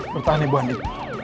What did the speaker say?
bertahan ibu andin